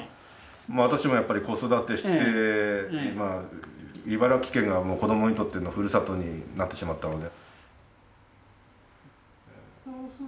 まあ私もやっぱり子育てして今茨城県が子供にとってのふるさとになってしまったので。